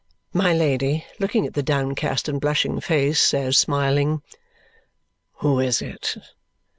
My Lady, looking at the downcast and blushing face, says smiling, "Who is it?